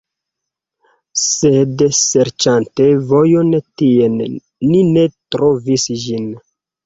Sed serĉante vojon tien, ni ne trovis ĝin.